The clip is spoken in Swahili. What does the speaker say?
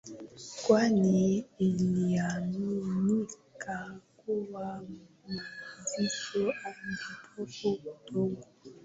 kwani iliaminika kuwa mazishi yalidhuru udongo